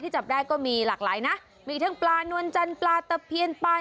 แต่ว่าได้ปลาไปล้ายกิโลเลยค่ะ